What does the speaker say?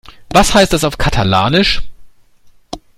Was heißt das auf Katalanisch?